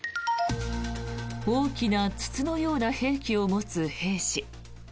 大きな筒のような兵器を持つ兵士。